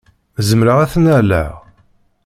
Zemreɣ ad t-nnaleɣ?